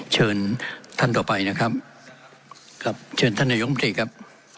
เชิญท่านต่อไปนะครับครับเชิญท่านนายมตรีครับ